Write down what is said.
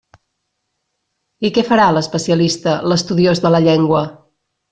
I què farà l'especialista, l'estudiós de la llengua?